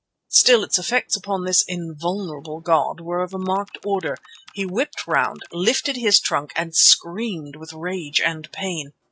Still, its effects upon this "invulnerable" god were of a marked order. He whipped round; he lifted his trunk and screamed with rage and pain.